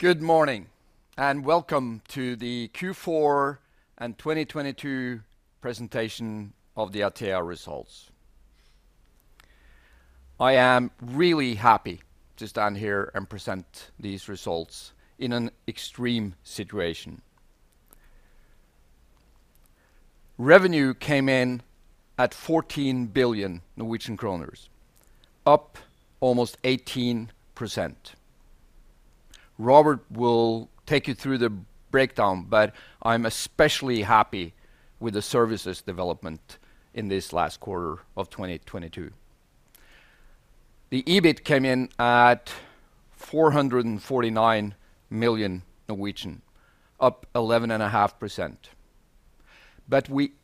Good morning. Welcome to the Q4 and 2022 presentation of the Atea results. I am really happy to stand here and present these results in an extreme situation. Revenue came in at 14 billion Norwegian kroner, up almost 18%. Robert will take you through the breakdown. I'm especially happy with the services development in this last quarter of 2022. The EBIT came in at 449 million, up 11.5%.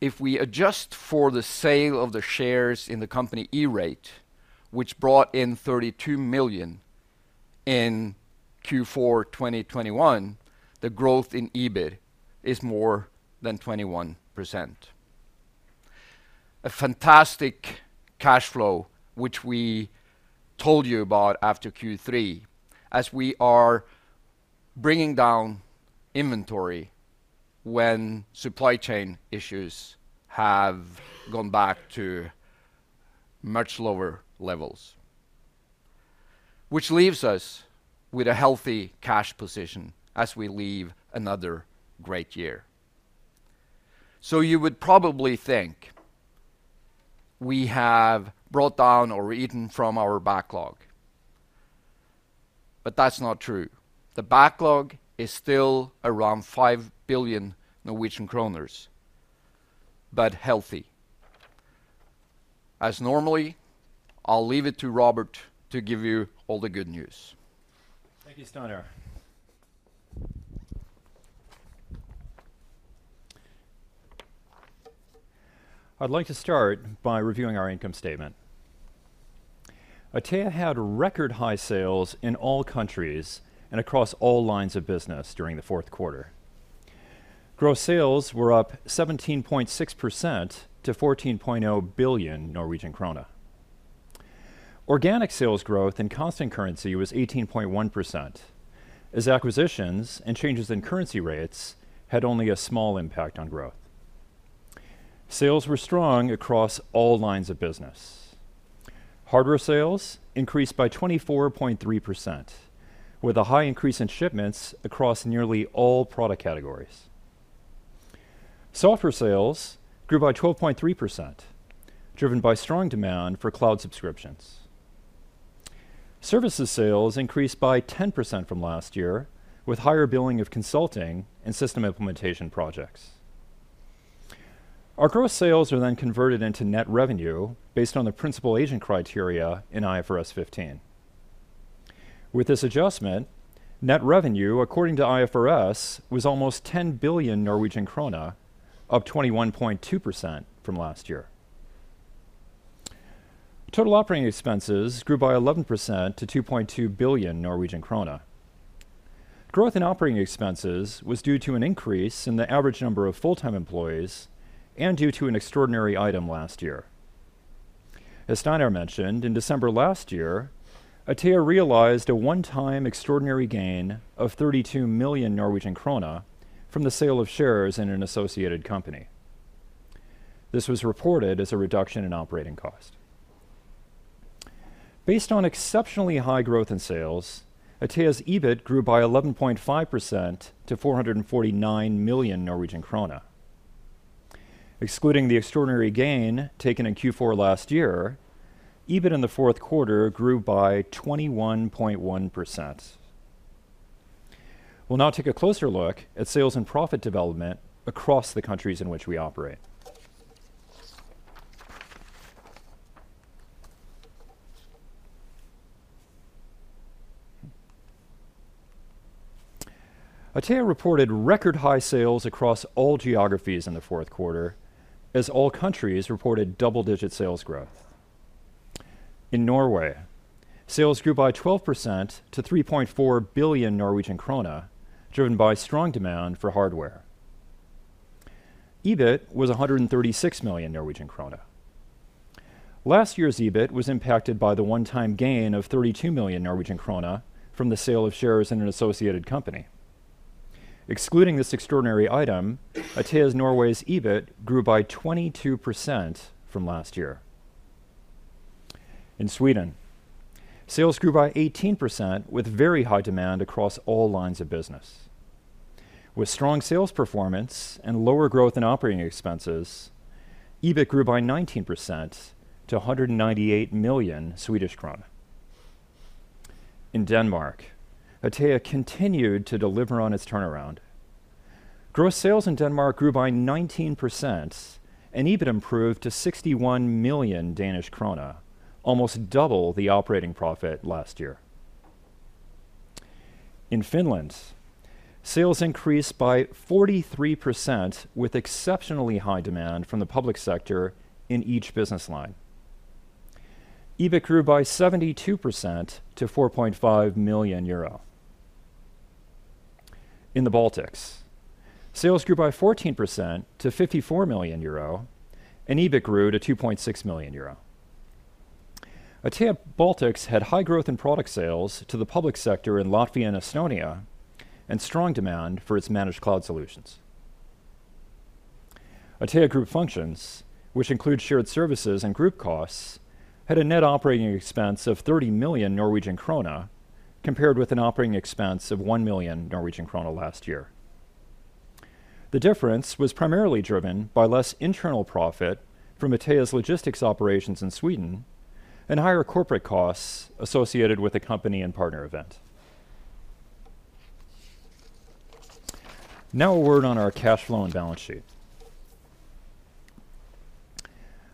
If we adjust for the sale of the shares in the company Erate, which brought in 32 million in Q4 2021, the growth in EBIT is more than 21%. A fantastic cash flow, which we told you about after Q3, as we are bringing down inventory when supply chain issues have gone back to much lower levels, which leaves us with a healthy cash position as we leave another great year. You would probably think we have brought down or eaten from our backlog. That's not true. The backlog is still around 5 billion Norwegian kroner, but healthy. Normally, I'll leave it to Robert to give you all the good news. Thank you, Steinar. I'd like to start by reviewing our income statement. Atea had record high sales in all countries and across all lines of business during the Q4. Gross sales were up 17.6% to 14.0 billion Norwegian krone. Organic sales growth in constant currency was 18.1%, as acquisitions and changes in currency rates had only a small impact on growth. Sales were strong across all lines of business. Hardware sales increased by 24.3%, with a high increase in shipments across nearly all product categories. Software sales grew by 12.3%, driven by strong demand for cloud subscriptions. Services sales increased by 10% from last year, with higher billing of consulting and system implementation projects. Our gross sales are converted into net revenue based on the principal versus agent in IFRS 15. With this adjustment, net revenue, according to IFRS, was almost 10 billion Norwegian krone, up 21.2% from last year. Total operating expenses grew by 11% to 2.2 billion Norwegian krone. Growth in operating expenses was due to an increase in the average number of full-time employees and due to an extraordinary item last year. As Steinar mentioned, in December last year, Atea realized a one-time extraordinary gain of 32 million Norwegian krone from the sale of shares in an associated company. This was reported as a reduction in operating cost. Based on exceptionally high growth in sales, Atea's EBIT grew by 11.5% to 449 million Norwegian krone. Excluding the extraordinary gain taken in Q4 last year, EBIT in the Q4 grew by 21.1%. We'll now take a closer look at sales and profit development across the countries in which we operate. Atea reported record high sales across all geographies in the Q4, as all countries reported double-digit sales growth. In Norway, sales grew by 12% to 3.4 billion Norwegian krone, driven by strong demand for hardware. EBIT was 136 million Norwegian krone. Last year's EBIT was impacted by the one-time gain of 32 million Norwegian krone from the sale of shares in an associated company. Excluding this extraordinary item, Atea's Norway's EBIT grew by 22% from last year. In Sweden, sales grew by 18% with very high demand across all lines of business. With strong sales performance and lower growth in operating expenses, EBIT grew by 19% to 198 million Swedish krona. In Denmark, Atea continued to deliver on its turnaround. Gross sales in Denmark grew by 19%, and EBIT improved to 61 million Danish krone, almost double the operating profit last year. In Finland, sales increased by 43% with exceptionally high demand from the public sector in each business line. EBIT grew by 72% to 4.5 million euro. In the Baltics, sales grew by 14% to 54 million euro, and EBIT grew to 2.6 million euro. Atea Baltics had high growth in product sales to the public sector in Latvia and Estonia and strong demand for its managed cloud solutions. Atea Group Functions, which include shared services and group costs, had a net operating expense of 30 million Norwegian krone, compared with an operating expense of 1 million Norwegian krone last year. The difference was primarily driven by less internal profit from Atea's logistics operations in Sweden and higher corporate costs associated with the company and partner event. A word on our cash flow and balance sheet.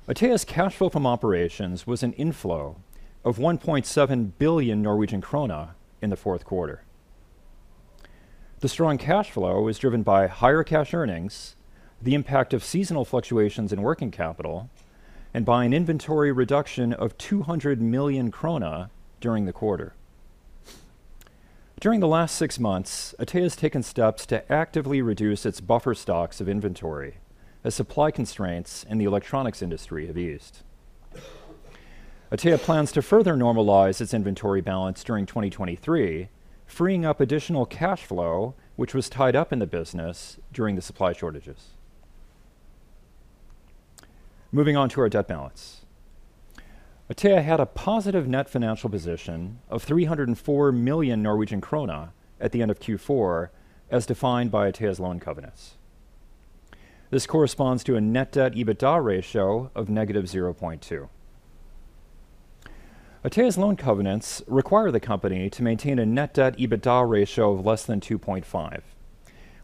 Atea's cash flow from operations was an inflow of 1.7 billion Norwegian krone in the Q4. The strong cash flow was driven by higher cash earnings, the impact of seasonal fluctuations in working capital, and by an inventory reduction of 200 million krone during the quarter. During the last six months, Atea has taken steps to actively reduce its buffer stocks of inventory as supply constraints in the electronics industry have eased. Atea plans to further normalize its inventory balance during 2023, freeing up additional cash flow which was tied up in the business during the supply shortages. Moving on to our debt balance. Atea had a positive net financial position of 304 million Norwegian krone at the end of Q4, as defined by Atea's loan covenants. This corresponds to a net debt-EBITDA ratio of -0.2. Atea's loan covenants require the company to maintain a net debt-EBITDA ratio of less than 2.5,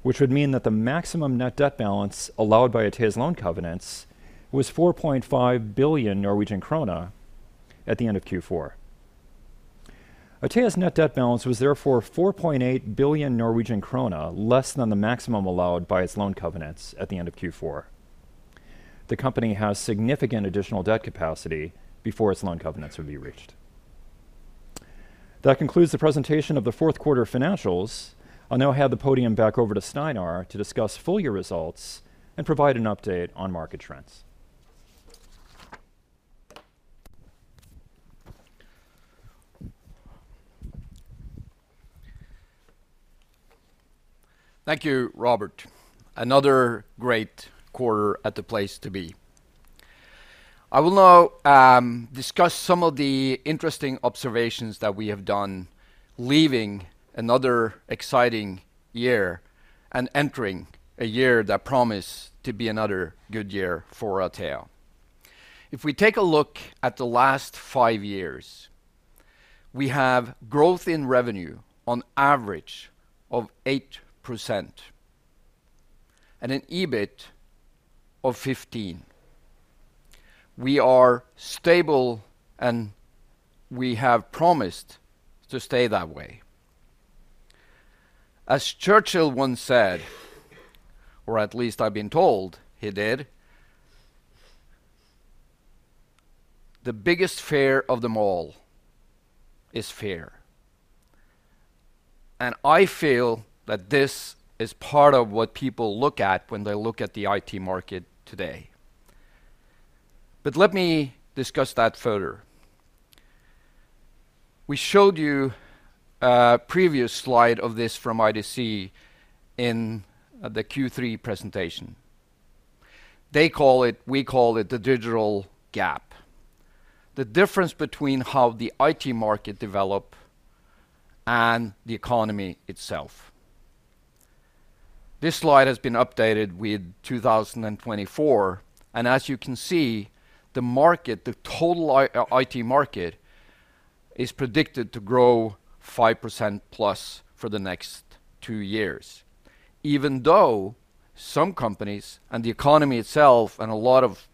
which would mean that the maximum net debt balance allowed by Atea's loan covenants was 4.5 billion Norwegian krone at the end of Q4. Atea's net debt balance was therefore 4.8 billion Norwegian krone less than the maximum allowed by its loan covenants at the end of Q4. The company has significant additional debt capacity before its loan covenants would be reached. That concludes the presentation of the Q4 financials. I'll now hand the podium back over to Steinar to discuss full year results and provide an update on market trends. Thank you, Robert. Another great quarter at the place to be. I will now discuss some of the interesting observations that we have done leaving another exciting year and entering a year that promise to be another good year for Atea. If we take a look at the last five years, we have growth in revenue on average of 8% and an EBIT of 15%. We are stable, and we have promised to stay that way. As Churchill once said, or at least I've been told he did, "The biggest fear of them all is fear." I feel that this is part of what people look at when they look at the IT market today. Let me discuss that further. We showed you a previous slide of this from IDC in the Q3 presentation. They call it, we call it the digital gap. The difference between how the IT market develop and the economy itself. This slide has been updated with 2024. As you can see, the market, the total IT market is predicted to grow 5%+ for the next two years, even though some companies and the economy itself and a lot of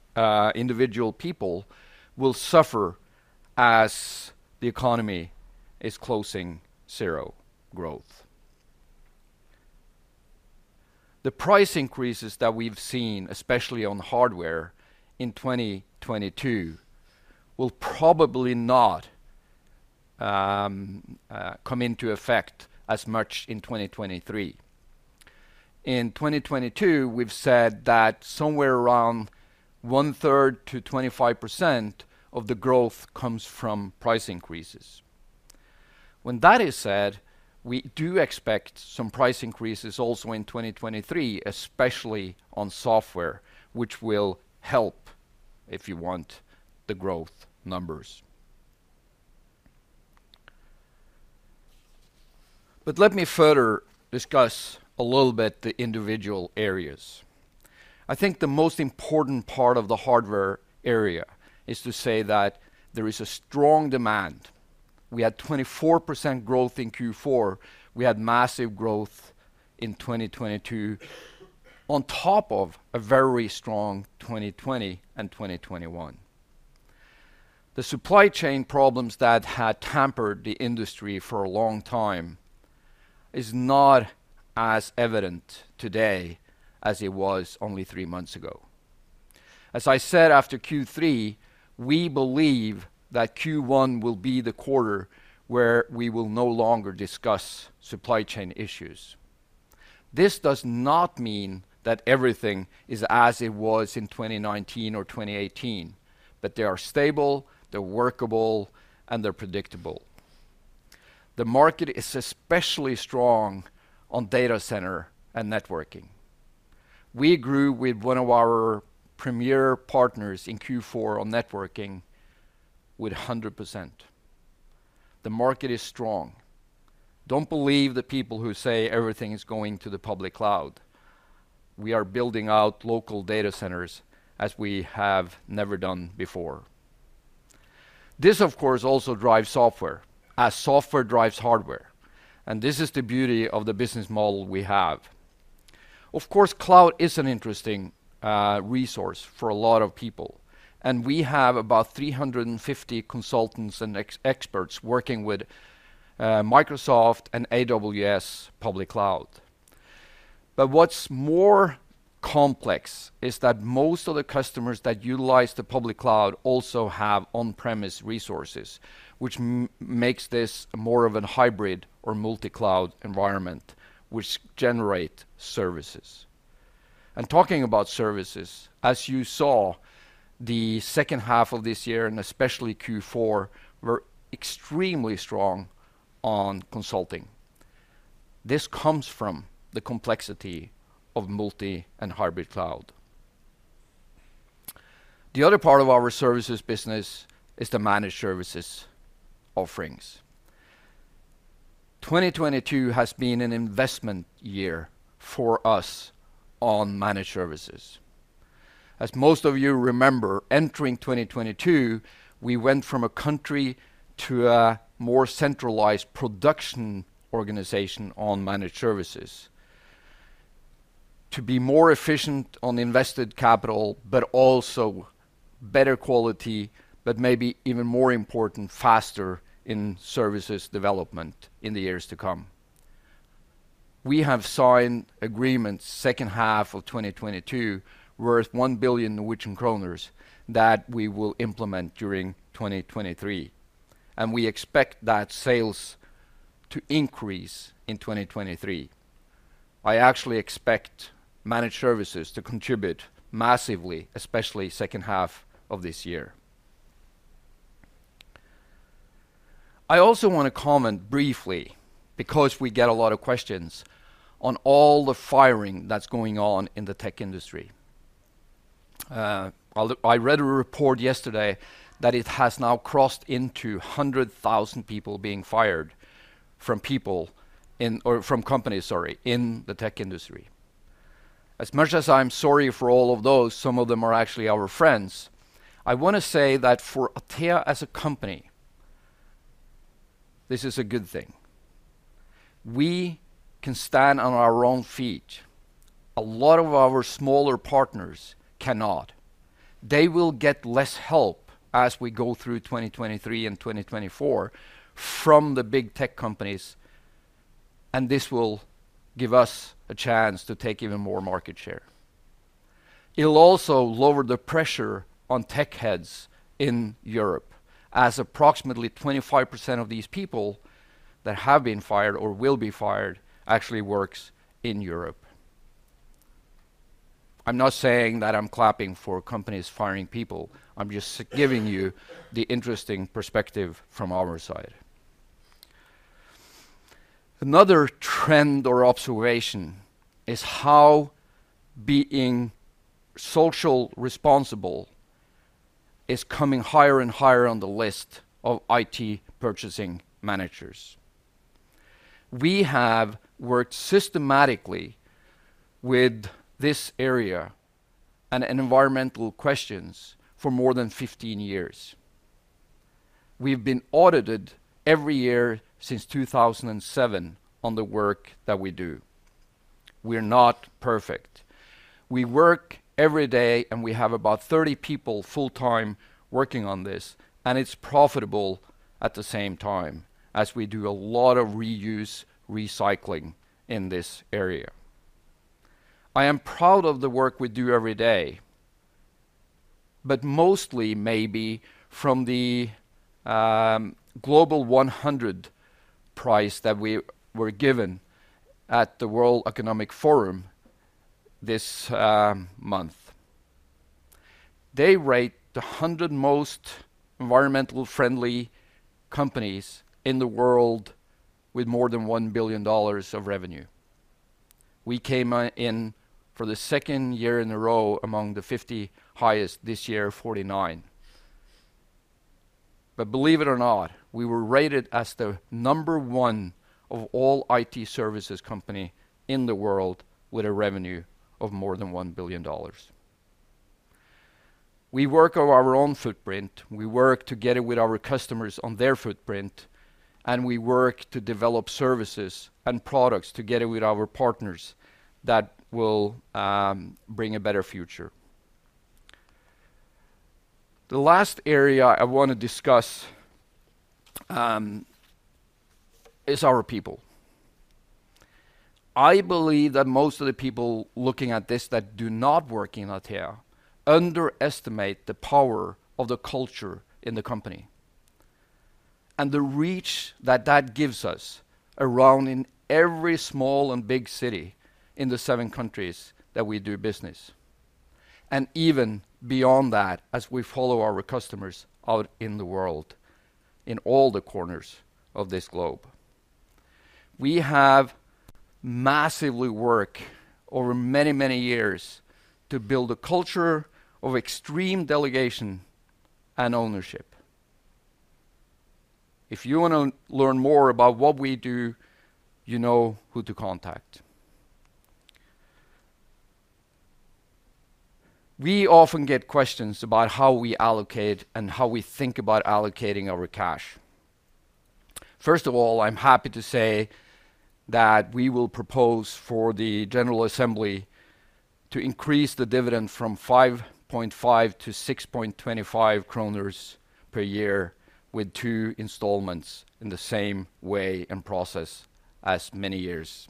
individual people will suffer as the economy is closing zero growth. The price increases that we've seen, especially on hardware in 2022, will probably not come into effect as much in 2023. In 2022, we've said that somewhere around one-third to 25% of the growth comes from price increases. When that is said, we do expect some price increases also in 2023, especially on software, which will help if you want the growth numbers. Let me further discuss a little bit the individual areas. I think the most important part of the hardware area is to say that there is a strong demand. We had 24% growth in Q4. We had massive growth in 2022 on top of a very strong 2020 and 2021. The supply chain problems that had hampered the industry for a long time is not as evident today as it was only three months ago. As I said after Q3, we believe that Q1 will be the quarter where we will no longer discuss supply chain issues. This does not mean that everything is as it was in 2019 or 2018, but they are stable, they're workable, and they're predictable. The market is especially strong on data center and networking. We grew with one of our premier partners in Q4 on networking with 100%. The market is strong. Don't believe the people who say everything is going to the public cloud. We are building out local data centers as we have never done before. This, of course, also drives software as software drives hardware, and this is the beauty of the business model we have. Of course, cloud is an interesting resource for a lot of people, and we have about 350 consultants and ex-experts working with Microsoft and AWS public cloud. What's more complex is that most of the customers that utilize the public cloud also have on-premise resources, which makes this more of a hybrid or multi-cloud environment which generate services. Talking about services, as you saw, the second half of this year, and especially Q4, were extremely strong on consulting. This comes from the complexity of multi and hybrid cloud. The other part of our services business is the managed services offerings. 2022 has been an investment year for us on managed services. As most of you remember, entering 2022, we went from a country to a more centralized production organization on managed services to be more efficient on invested capital, but also better quality, but maybe even more important, faster in services development in the years to come. We have signed agreements second half of 2022 worth 1 billion Norwegian kroner that we will implement during 2023. We expect that sales to increase in 2023. I actually expect managed services to contribute massively, especially second half of this year. I also wanna comment briefly because we get a lot of questions on all the firing that's going on in the tech industry. I read a report yesterday that it has now crossed into 100,000 people being fired from people in... or from companies, sorry, in the tech industry. As much as I'm sorry for all of those, some of them are actually our friends, I wanna say that for Atea as a company, this is a good thing. We can stand on our own feet. A lot of our smaller partners cannot. They will get less help as we go through 2023 and 2024 from the big tech companies, and this will give us a chance to take even more market share. It'll also lower the pressure on tech heads in Europe as approximately 25% of these people that have been fired or will be fired actually works in Europe. I'm not saying that I'm clapping for companies firing people. I'm just giving you the interesting perspective from our side. Another trend or observation is how being social responsible is coming higher and higher on the list of IT purchasing managers. We have worked systematically with this area and environmental questions for more than 15 years. We've been audited every year since 2007 on the work that we do. We're not perfect. We work every day, and we have about 30 people full-time working on this, and it's profitable at the same time as we do a lot of reuse, recycling in this area. I am proud of the work we do every day, but mostly maybe from the Global 100 price that we were given at the World Economic Forum this month. They rate the 100 most environmental friendly companies in the world with more than $1 billion of revenue. We came in for the second year in a row among the 50 highest, this year, 49. Believe it or not, we were rated as the number one of all IT services company in the world with a revenue of more than $1 billion. We work on our own footprint, we work together with our customers on their footprint, and we work to develop services and products together with our partners that will bring a better future. The last area I wanna discuss is our people. I believe that most of the people looking at this that do not work in Atea underestimate the power of the culture in the company. The reach that that gives us around in every small and big city in the seven countries that we do business, and even beyond that as we follow our customers out in the world, in all the corners of this globe. We have massively work over many, many years to build a culture of extreme delegation and ownership. If you wanna learn more about what we do, you know who to contact. We often get questions about how we allocate and how we think about allocating our cash. First of all, I'm happy to say that we will propose for the general assembly to increase the dividend from 5.5 to 6.25 kroner per year with two installments in the same way and process as many years.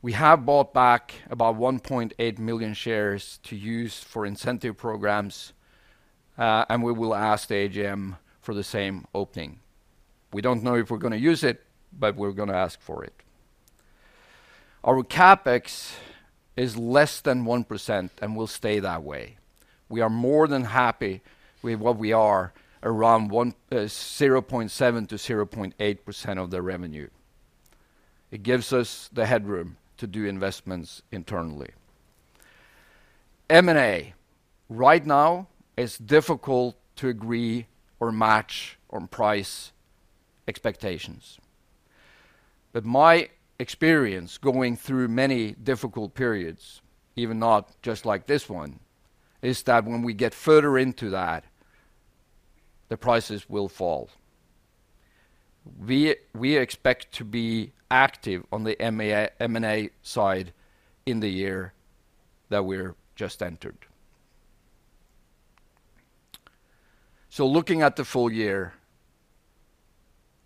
We have bought back about 1.8 million shares to use for incentive programs, and we will ask the AGM for the same opening. We don't know if we're gonna use it, but we're gonna ask for it. Our CapEx is less than 1% and will stay that way. We are more than happy with what we are 0.7%-0.8% of the revenue. It gives us the headroom to do investments internally. M&A, right now it's difficult to agree or match on price expectations. My experience going through many difficult periods, even not just like this one, is that when we get further into that, the prices will fall. We expect to be active on the M&A side in the year that we've just entered. Looking at the full year,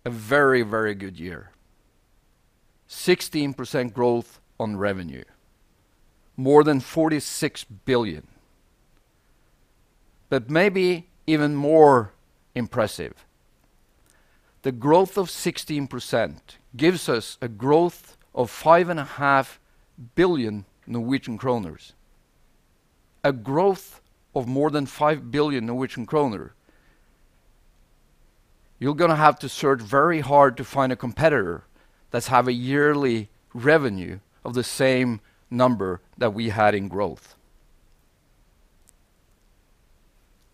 a very, very good year. 16% growth on revenue. More than 46 billion. Maybe even more impressive, the growth of 16% gives us a growth of five and a half billion Norwegian kroners. A growth of more than 5 billion Norwegian kroner, you're gonna have to search very hard to find a competitor that have a yearly revenue of the same number that we had in growth.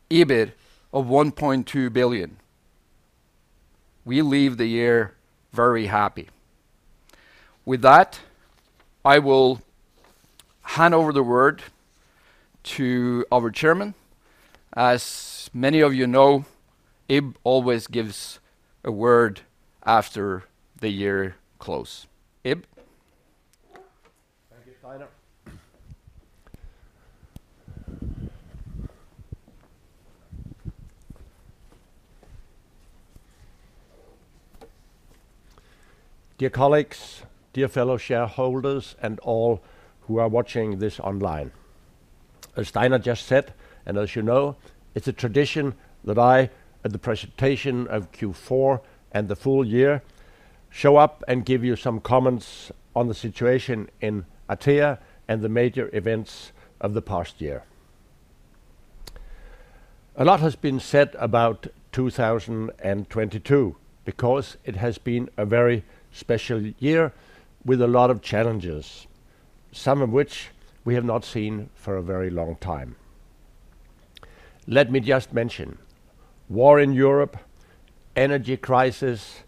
EBIT of 1.2 billion. We leave the year very happy. With that, I will hand over the word to our chairman. As many of you know, Ib always gives a word after the year close. Ib? Thank you, Steinar. Dear colleagues, dear fellow shareholders, all who are watching this online. As Steinar just said, as you know, it's a tradition that I, at the presentation of Q4 and the full year, show up and give you some comments on the situation in Atea and the major events of the past year. A lot has been said about 2022 because it has been a very special year with a lot of challenges, some of which we have not seen for a very long time. Let me just mention, war in Europe, energy crisis,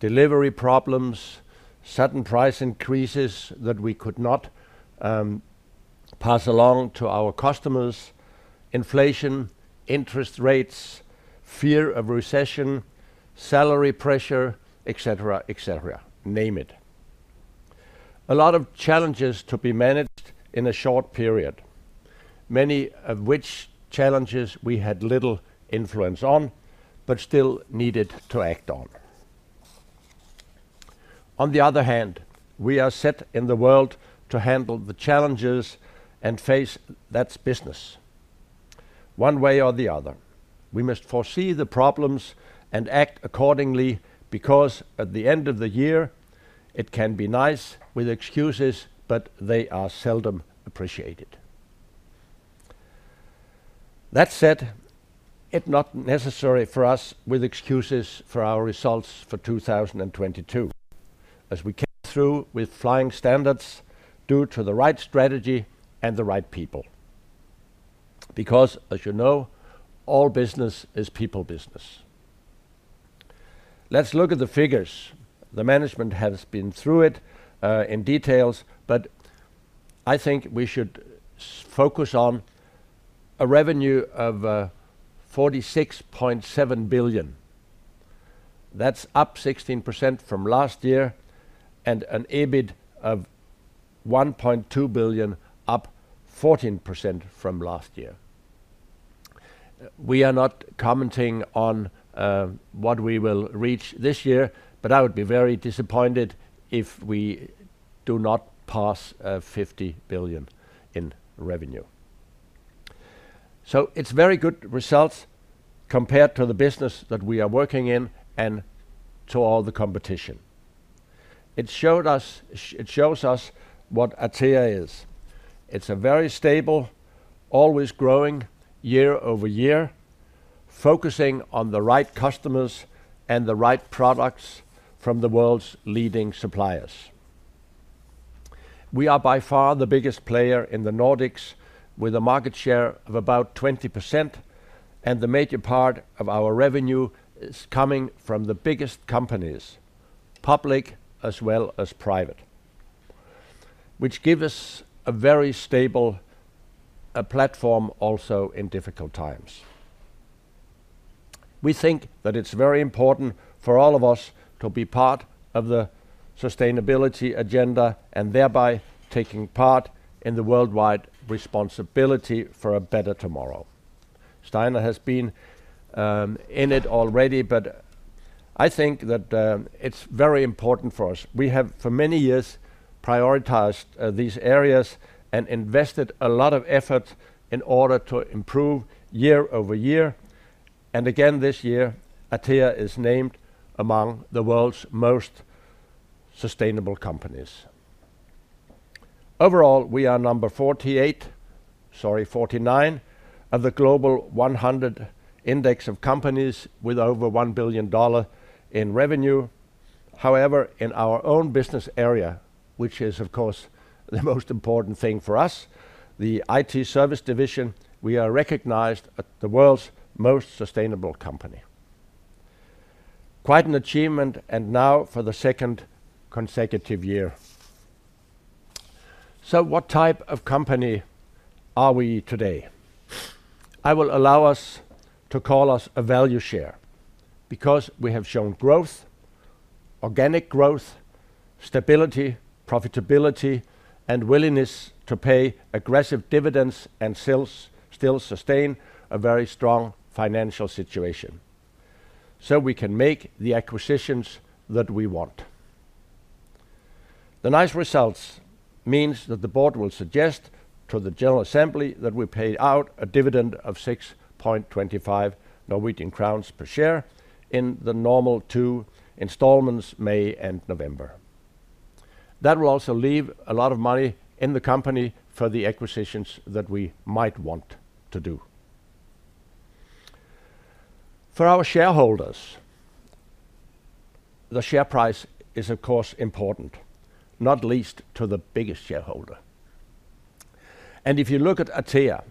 delivery problems, sudden price increases that we could not pass along to our customers, inflation, interest rates, fear of recession, salary pressure, et cetera, et cetera. Name it. A lot of challenges to be managed in a short period, many of which challenges we had little influence on, but still needed to act on. The other hand, we are set in the world to handle the challenges and face that's business, one way or the other. We must foresee the problems and act accordingly because at the end of the year, it can be nice with excuses, but they are seldom appreciated. That said, it not necessary for us with excuses for our results for 2022, as we came through with flying standards due to the right strategy and the right people. As you know, all business is people business. Let's look at the figures. The management has been through it in details, but I think we should focus on a revenue of 46.7 billion. That's up 16% from last year, and an EBIT of 1.2 billion, up 14% from last year. We are not commenting on what we will reach this year, but I would be very disappointed if we do not pass 50 billion in revenue. It's very good results compared to the business that we are working in and to all the competition. It shows us what Atea is. It's a very stable, always growing year-over-year, focusing on the right customers and the right products from the world's leading suppliers. We are by far the biggest player in the Nordics with a market share of about 20%, and the major part of our revenue is coming from the biggest companies, public as well as private, which give us a very stable platform also in difficult times. We think that it's very important for all of us to be part of the sustainability agenda and thereby taking part in the worldwide responsibility for a better tomorrow. Steinar has been in it already, but I think that it's very important for us. We have for many years prioritized these areas and invested a lot of effort in order to improve year-over-year. This year, Atea is named among the world's most sustainable companies. Overall, we are number 48, sorry, 49 of the Global 100 Index of companies with over $1 billion in revenue. In our own business area, which is of course the most important thing for us, the IT service division, we are recognized as the world's most sustainable company. Quite an achievement and now for the second consecutive year. What type of company are we today? I will allow us to call us a value share because we have shown growth, organic growth, stability, profitability, and willingness to pay aggressive dividends and still sustain a very strong financial situation. We can make the acquisitions that we want. The nice results means that the board will suggest to the general assembly that we pay out a dividend of 6.25 Norwegian crowns per share in the normal two installments, May and November. That will also leave a lot of money in the company for the acquisitions that we might want to do. For our shareholders, the share price is of course important, not least to the biggest shareholder. If you look at Atea,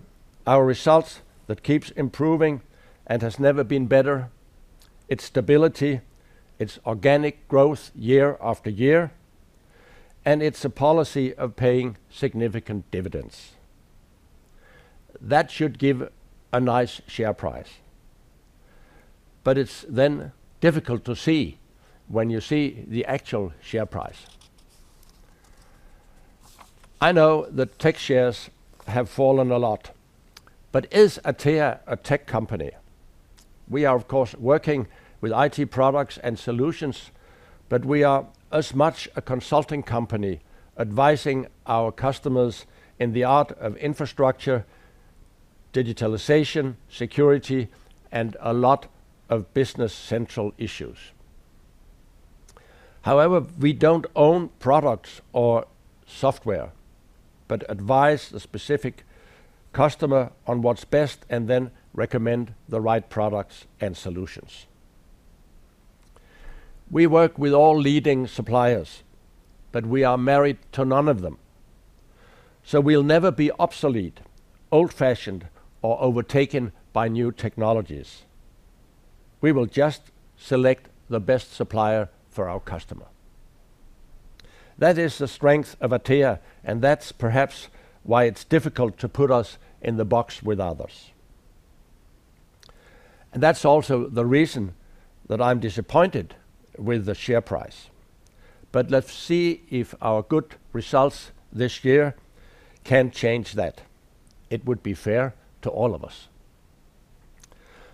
our results that keeps improving and has never been better, its stability, its organic growth year after year, and it's a policy of paying significant dividends. That should give a nice share price. It's then difficult to see when you see the actual share price. I know that tech shares have fallen a lot, but is Atea a tech company? We are of course working with IT products and solutions, but we are as much a consulting company advising our customers in the art of infrastructure, digitalization, security, and a lot of business central issues. However, we don't own products or software, but advise the specific customer on what's best and then recommend the right products and solutions. We work with all leading suppliers, but we are married to none of them. We'll never be obsolete, old-fashioned, or overtaken by new technologies. We will just select the best supplier for our customer. That is the strength of Atea, and that's perhaps why it's difficult to put us in the box with others. That's also the reason that I'm disappointed with the share price. Let's see if our good results this year can change that. It would be fair to all of us.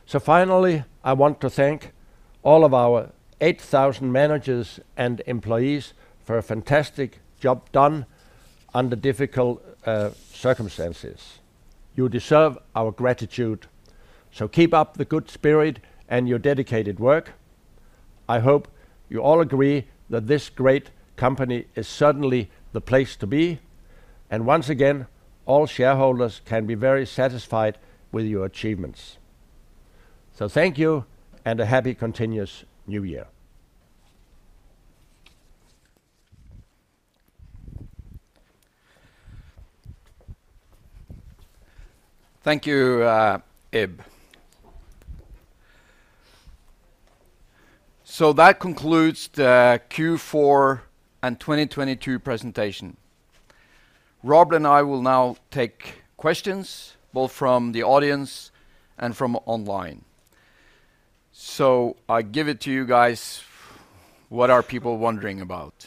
Finally, I want to thank all of our 8,000 managers and employees for a fantastic job done under difficult circumstances. You deserve our gratitude, so keep up the good spirit and your dedicated work. I hope you all agree that this great company is certainly the place to be. Once again, all shareholders can be very satisfied with your achievements. Thank you, and a happy continuous New Year. Thank you, Ib. That concludes the Q4 and 2022 presentation. Robert and I will now take questions, both from the audience and from online. I give it to you guys. What are people wondering about?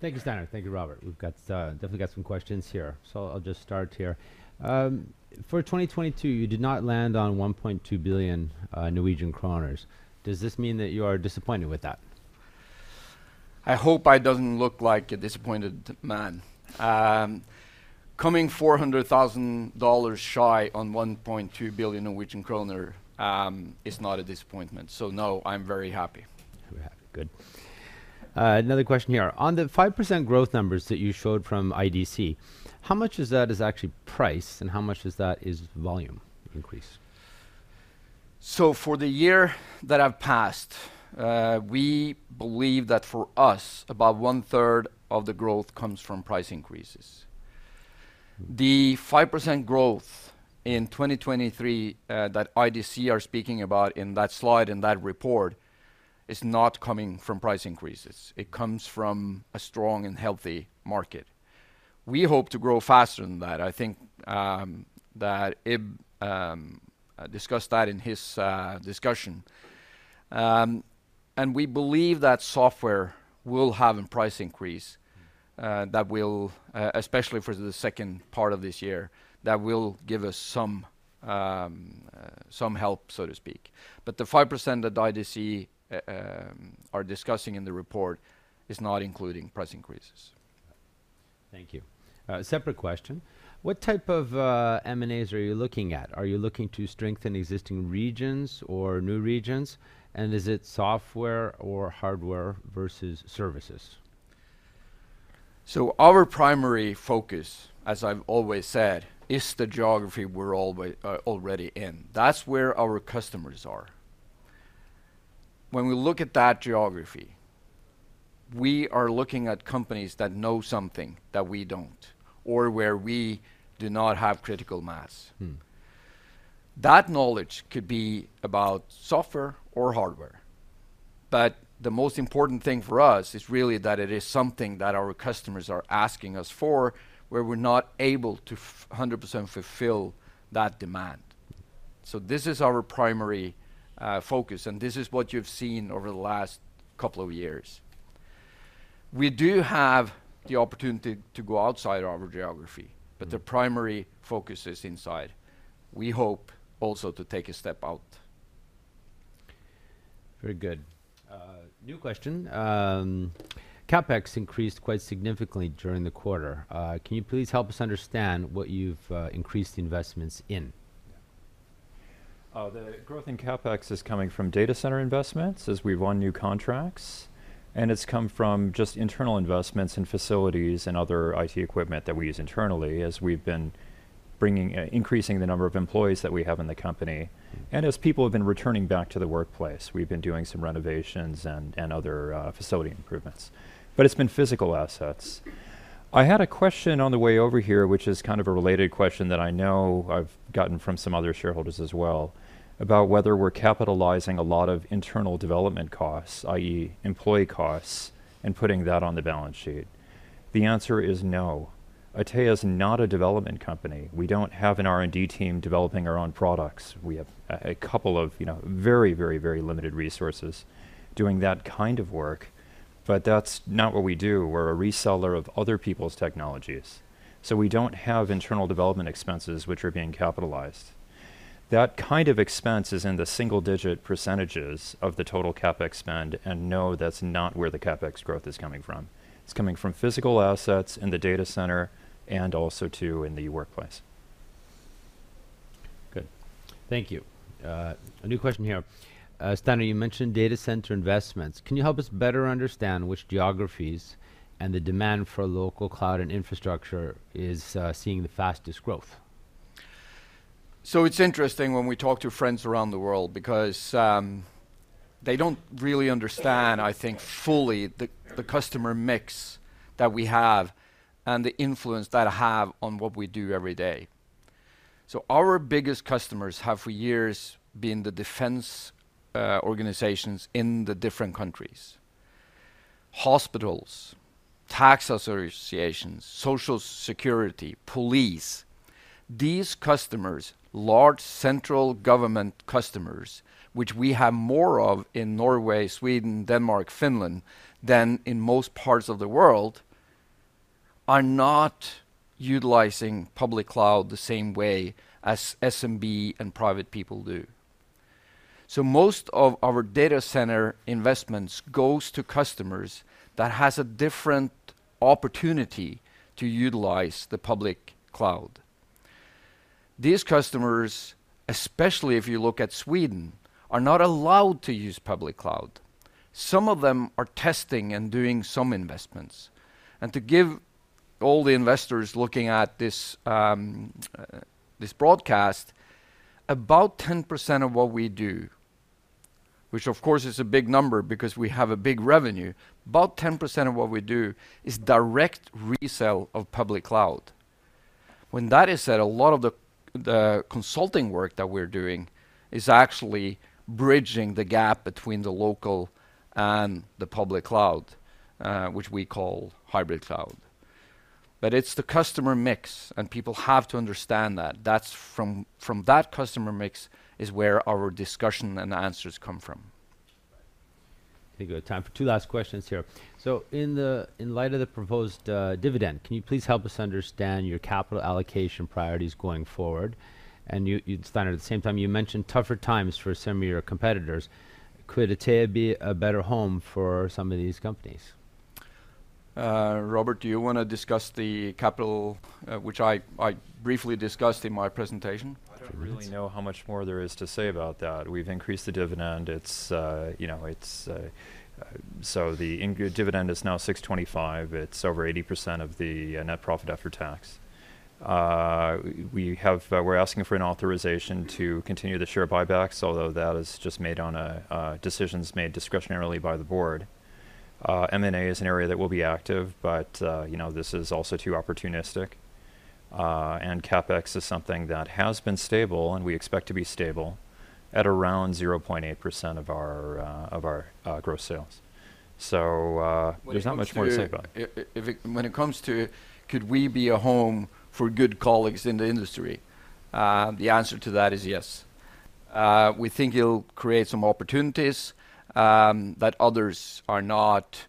Thank you, Steinar. Thank you, Robert. We've got definitely got some questions here, so I'll just start here. For 2022, you did not land on 1.2 billion Norwegian kroner. Does this mean that you are disappointed with that? I hope I doesn't look like a disappointed man. Coming $400,000 shy on 1.2 billion Norwegian kroner, is not a disappointment. No, I'm very happy. Very happy. Good. Another question here. On the 5% growth numbers that you showed from IDC, how much of that is actually price and how much is that is volume increase? For the year that have passed, we believe that for us, about one-third of the growth comes from price increases. The 5% growth in 2023, that IDC are speaking about in that slide, in that report, is not coming from price increases. It comes from a strong and healthy market. We hope to grow faster than that. I think that Ib discussed that in his discussion. We believe that software will have a price increase that will, especially for the second part of this year, give us some help, so to speak. The 5% that IDC are discussing in the report is not including price increases. Thank you. separate question. What type of M&As are you looking at? Are you looking to strengthen existing regions or new regions? Is it software or hardware versus services? Our primary focus, as I've always said, is the geography we're already in. That's where our customers are. When we look at that geography, we are looking at companies that know something that we don't or where we do not have critical mass. Mm. That knowledge could be about software or hardware. The most important thing for us is really that it is something that our customers are asking us for, where we're not able to 100% fulfill that demand. This is our primary focus, and this is what you've seen over the last couple of years. We do have the opportunity to go outside our geography, but the primary focus is inside. We hope also to take a step out. Very good. new question. CapEx increased quite significantly during the quarter. can you please help us understand what you've increased the investments in? The growth in CapEx is coming from data center investments as we've won new contracts, it's come from just internal investments in facilities and other IT equipment that we use internally as we've been increasing the number of employees that we have in the company. As people have been returning back to the workplace, we've been doing some renovations and other facility improvements. It's been physical assets. I had a question on the way over here, which is kind of a related question that I know I've gotten from some other shareholders as well, about whether we're capitalizing a lot of internal development costs, i.e. employee costs, and putting that on the balance sheet. The answer is no. Atea is not a development company. We don't have an R&D team developing our own products. We have a couple of, you know, very, very, very limited resources doing that kind of work, but that's not what we do. We're a reseller of other people's technologies. We don't have internal development expenses which are being capitalized. That kind of expense is in the single-digit % of the total CapEx spend, no, that's not where the CapEx growth is coming from. It's coming from physical assets in the data center and also, too, in the workplace. Good. Thank you. A new question here. Steinar, you mentioned data center investments. Can you help us better understand which geographies and the demand for local cloud and infrastructure is seeing the fastest growth? It's interesting when we talk to friends around the world because they don't really understand, I think, fully the customer mix that we have and the influence that have on what we do every day. Our biggest customers have for years been the defense organizations in the different countries. Hospitals, tax associations, social security, police, these customers, large central government customers, which we have more of in Norway, Sweden, Denmark, Finland, than in most parts of the world, are not utilizing public cloud the same way as SMB and private people do. Most of our data center investments goes to customers that has a different opportunity to utilize the public cloud. These customers, especially if you look at Sweden, are not allowed to use public cloud. Some of them are testing and doing some investments. To give all the investors looking at this broadcast, about 10% of what we do, which of course is a big number because we have a big revenue, about 10% of what we do is direct resale of public cloud. When that is said, a lot of the consulting work that we're doing is actually bridging the gap between the local and the public cloud, which we call hybrid cloud. It's the customer mix, and people have to understand that. That's from that customer mix is where our discussion and the answers come from. Okay, good. Time for two last questions here. In light of the proposed dividend, can you please help us understand your capital allocation priorities going forward? Steinar, at the same time, you mentioned tougher times for some of your competitors. Could Atea be a better home for some of these companies? Robert, do you wanna discuss the capital, which I briefly discussed in my presentation? I don't really know how much more there is to say about that. We've increased the dividend. It's, you know, it's 6.25. It's over 80% of the net profit after tax. We're asking for an authorization to continue the share buybacks, although that is just made on a decisions made discretionarily by the board. M&A is an area that will be active, but, you know, this is also too opportunistic. CapEx is something that has been stable, and we expect to be stable at around 0.8% of our gross sales. There's not much more to say about it. When it comes to could we be a home for good colleagues in the industry, the answer to that is yes. We think it'll create some opportunities, that others are not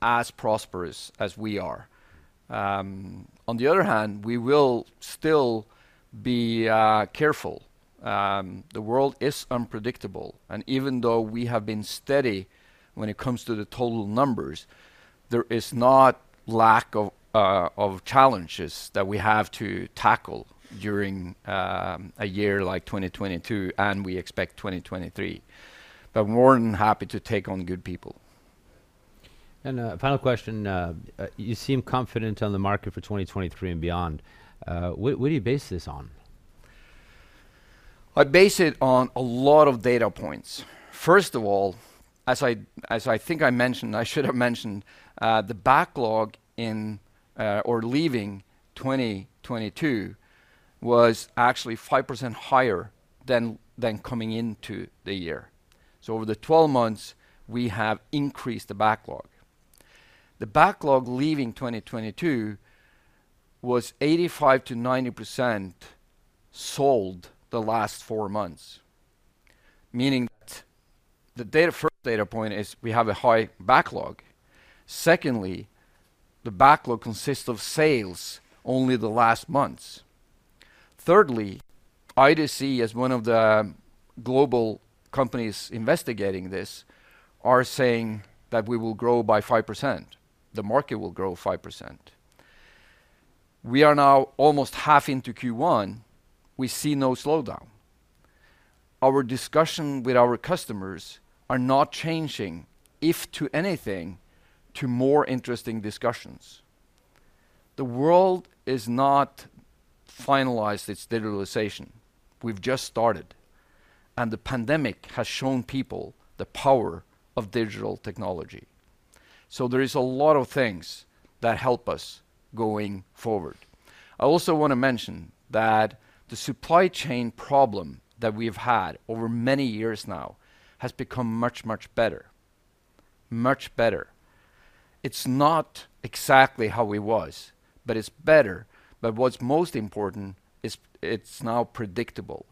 as prosperous as we are. On the other hand, we will still be careful. The world is unpredictable, and even though we have been steady when it comes to the total numbers, there is not lack of challenges that we have to tackle during a year like 2022 and we expect 2023. More than happy to take on good people. Final question. You seem confident on the market for 2023 and beyond. What do you base this on? I base it on a lot of data points. First of all, as I think I mentioned, I should have mentioned, the backlog in, or leaving 2022 was actually 5% higher than coming into the year. Over the 12 months, we have increased the backlog. The backlog leaving 2022 was 85%-90% sold the last 4 months, meaning that the first data point is we have a high backlog. Secondly, the backlog consists of sales only the last months. Thirdly, IDC is one of the global companies investigating this, are saying that we will grow by 5%. The market will grow 5%. We are now almost half into Q1. We see no slowdown. Our discussion with our customers are not changing, if to anything, to more interesting discussions. The world is not finalized its digitalization. We've just started. The pandemic has shown people the power of digital technology. There is a lot of things that help us going forward. I also want to mention that the supply chain problem that we've had over many years now has become much, much better. Much better. It's not exactly how it was. It's better. What's most important is it's now predictable.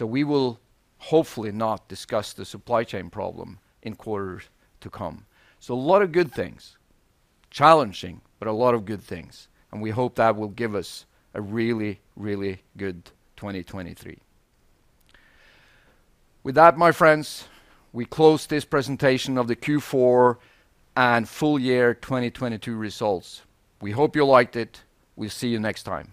We will hopefully not discuss the supply chain problem in quarters to come. A lot of good things. Challenging, but a lot of good things, and we hope that will give us a really, really good 2023. With that, my friends, we close this presentation of the Q4 and full year 2022 results. We hope you liked it. We'll see you next time.